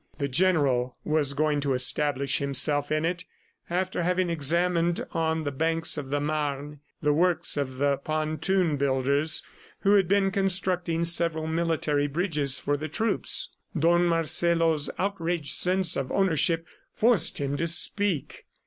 ... The General was going to establish himself in it, after having examined on the banks of the Marne, the works of the pontoon builders, who had been constructing several military bridges for the troops. Don Marcelo's outraged sense of ownership forced him to speak.